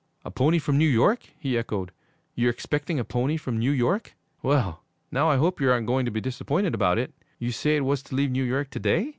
'A pony from New York?' he echoed. 'You're expecting a pony from New York? Well, now I hope you aren't going to be disappointed about it! You say it was to leave New York to day?